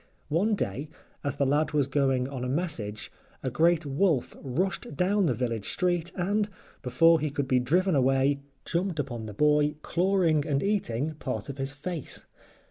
One day, as the lad was going on a message, a great wolf rushed down the village street, and, before he could be driven away, jumped upon the boy clawing and eating part of his face.